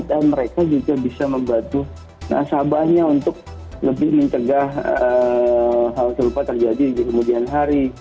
dan mereka juga bisa membantu nasabahnya untuk lebih mencegah hal serupa terjadi di kemudian hari